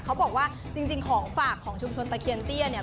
เขาบอกว่าจริงของฝากของชุมชนตะเคียนเตี้ยเนี่ย